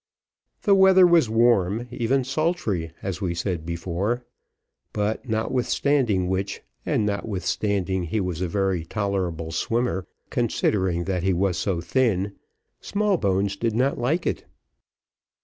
The weather was warm, even sultry, as we said before; but notwithstanding which, and notwithstanding he was a very tolerable swimmer, considering that he was so thin, Smallbones did not like it.